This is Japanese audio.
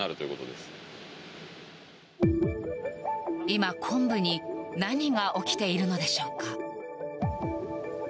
今、昆布に何が起きているのでしょうか。